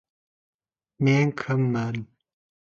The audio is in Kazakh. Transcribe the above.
Арба сынса, отын, өгіз өлсе, етің.